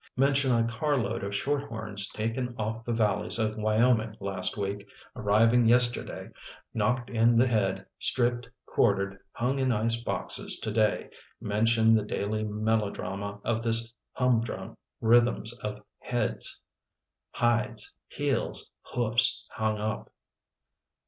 Mention a carload of shorthorns taken off the valleys of Wyoming last week, arriving yesterday, knocked in the head, stripped, quartered, hung in ice boxes to day, mention the daily melodrama of this hum drum, rhythms of heads, hides, heels, hoofs hung up.